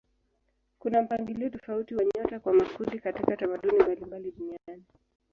Kuna mpangilio tofauti wa nyota kwa makundi katika tamaduni mbalimbali duniani.